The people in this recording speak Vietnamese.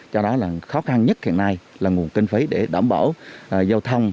do đó là khó khăn nhất hiện nay là nguồn kinh phí để đảm bảo giao thông